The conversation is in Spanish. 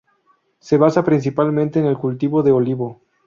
Se basa principalmente en el cultivo del olivo.